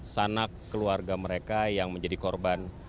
sanak keluarga mereka yang menjadi korban